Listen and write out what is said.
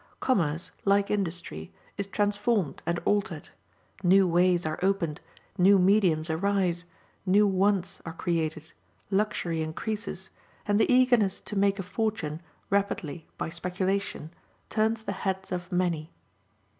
Commerce, like industry, is transformed and altered. New ways are opened, new mediums arise, new wants are created, luxury increases, and the eagerness to make a fortune rapidly by speculation, turns the heads of many.